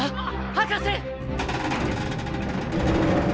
博士！